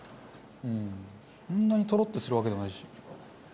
そんなにとろっとするわけでもないし。